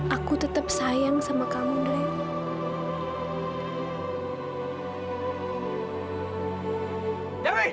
aku tetap sayang sama kamu deh